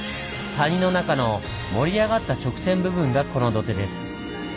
谷の中の盛り上がった直線部分がこの土手です。